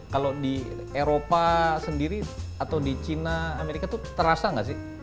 kalau di eropa sendiri atau di china amerika itu terasa nggak sih